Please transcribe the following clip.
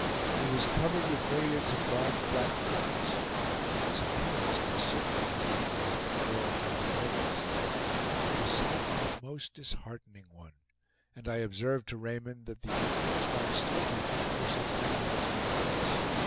It was covered with myriads of large black crickets, and from its appearance must certainly have lain there for four or five days. The sight was a most disheartening one, and I observed to Raymond that the Indians might still be fifty or sixty miles before us.